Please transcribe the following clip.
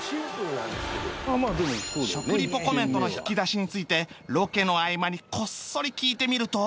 食リポコメントの引き出しについてロケの合間にこっそり聞いてみると